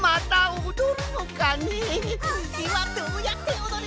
つぎはどうやっておどる？